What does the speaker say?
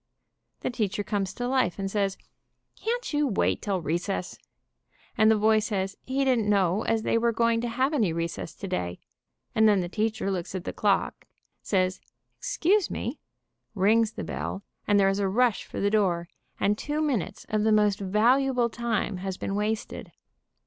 The teacher comes to life and says, "Can't you wait till recess ?" and the boy says he didn't know as they were going to have any recess today, and then the teacher looks at the clock, says, "Excuse m e," rings the bell, and there is a rush for the door, and two minutes of the most valuable time has been wasted.